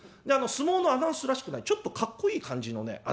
で相撲のアナウンスらしくないちょっとかっこいい感じのね